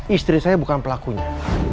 istri saya bukan pelakunya